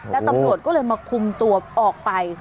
แล้วตำรวจก็เลยมาคุมตัวออกไป